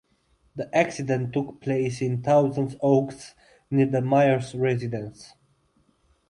The accident took place in Thousand Oaks near the Myers' residence.